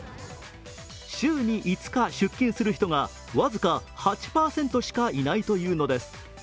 週に５日出勤する人が僅か８％しかいないというのです。